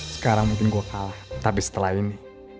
sekarang mungkin gue kalah tapi setelah ini